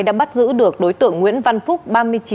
đã bắt giữ được đối tượng nguyễn văn phúc